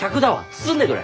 包んでくれ。